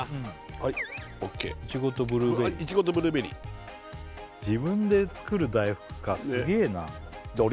はいオーケーいちごとブルーベリーいちごとブルーベリー自分で作る大福かすげえなじゃ俺